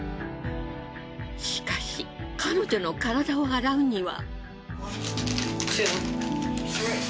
しかし彼女の体を洗うには。